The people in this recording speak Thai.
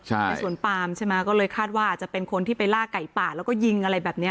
ไปสวนปามเลยคาดว่าจะเป็นคนที่ลากไก่ป่าลแล้วก็ยิงอะไรแบบนี้